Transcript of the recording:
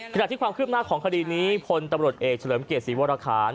ขณะที่ความคืบหน้าของคดีนี้พลตำรวจเอกเฉลิมเกียรติศรีวรคาร